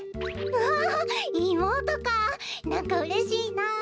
わあいもうとかなんかうれしいな。